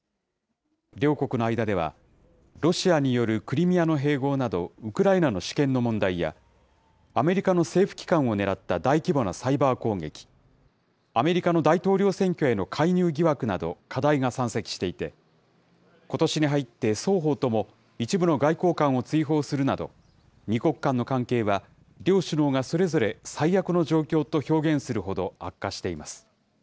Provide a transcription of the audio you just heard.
両国の間では、ロシアによるクリミアの併合などウクライナの主権の問題や、アメリカの政府機関を狙った大規模なサイバー攻撃、アメリカの大統領選挙への介入疑惑など、課題が山積していて、ことしに入って双方とも、一部の外交官を追放するなど、２国間の関係は、両首脳がそれぞれ最悪の状況と表現するほど悪化しています。